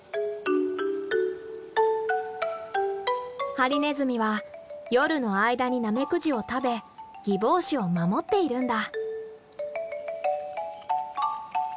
ハリネズミは夜の間にナメクジを食べギボウシを守っているんだ。